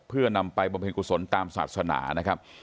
เพื่อนำไปบำเพ็ญกุศลตามศาสนานะครับ